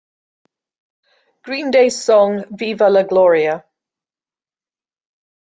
Green Day's song "¡Viva la Gloria!